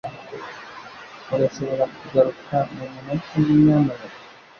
Urashobora kugaruka mumunota umwe, nyamuneka?